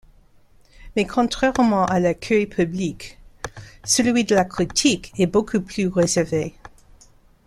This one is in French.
Mais contrairement à l'accueil public, celui de la critique est beaucoup plus réservé.